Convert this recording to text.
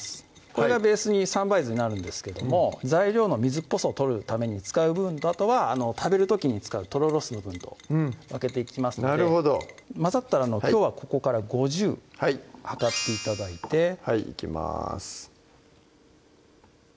これがベースに三杯酢になるんですけども材料の水っぽさを取るために使う分とあとは食べる時に使うとろろ酢の分と分けていきますのでなるほど混ざったらきょうはここから５０量って頂いてはいいきます